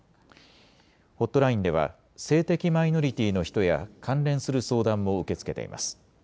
ホットラインでは性的マイノリティーの人や関連する相談も受け付けています。